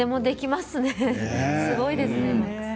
すごいですね。